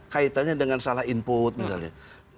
kaitannya dengan salah input misalnya